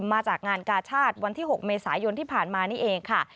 มาจากงานกาชาติวันที่๖เมษายนที่ผ่านมานี่เองค่ะ